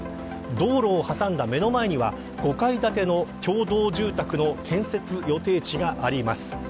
道路を挟んだ目の前には５階建ての共同住宅の建設予定地があります。